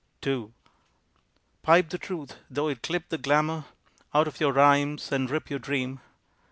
II Pipe the truth! tho it clip the glamour Out of your rhymes and rip your dream.